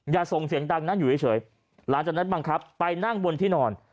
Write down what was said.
อย่าส่งเสียงดังนะอยู่เฉยหลังจากนั้นบังคับไปนั่งบนที่นอน